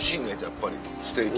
やっぱりステーキ。